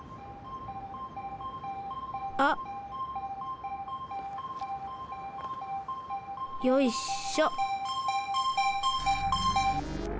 あっ。よいしょ。